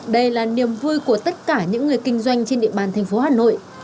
đây là niềm vui của tất cả những người kinh doanh trên địa bàn thành phố hà nội